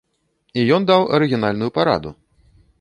І ён даў арыгінальную параду.